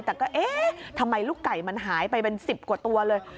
แต่ก็เอ๊ะทำไมลูกไก่มันหายไปเป็น๑๐กว่าตัวเลย